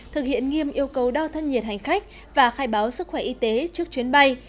thực hiện nghiêm yêu cầu đo thân nhiệt hành khách và khai báo sức khỏe y tế trước chuyến bay